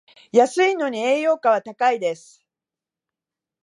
安いのに栄養価は高いです